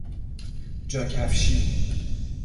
جا کفشی